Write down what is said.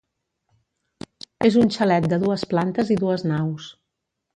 És un xalet de dues plantes i dues naus.